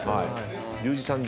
リュウジさん